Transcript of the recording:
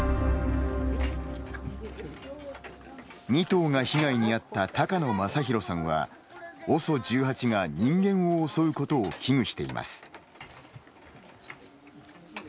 ２頭が被害に遭った高野政広さんはＯＳＯ１８が人間を襲うことを危惧しています。